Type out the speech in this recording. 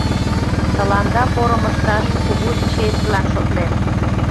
— Тыланда порым ышташ кугу честьлан шотлем.